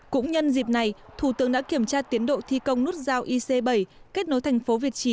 cũng nhân dịp này thủ tướng đã kiểm tra tiến độ thi công nút giao ic bảy kết nối thành phố việt trì